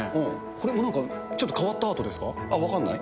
これもなんかちょっと変わったア分かんない？